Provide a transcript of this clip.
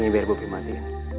disini biar bobby mati